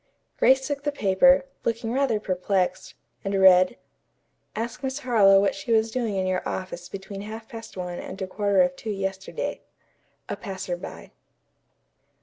Grace took the paper, looking rather perplexed, and read: "Ask Miss Harlowe what she was doing in your office between half past one and a quarter of two yesterday." "A PASSERBY."